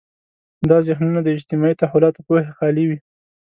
دا ذهنونه د اجتماعي تحولاتو پوهې خالي وي.